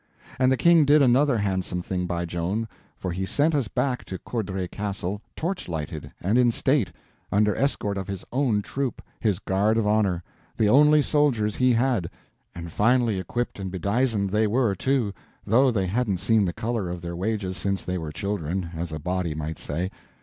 And the King did another handsome thing by Joan, for he sent us back to Courdray Castle torch lighted and in state, under escort of his own troop—his guard of honor—the only soldiers he had; and finely equipped and bedizened they were, too, though they hadn't seen the color of their wages since they were children, as a body might say.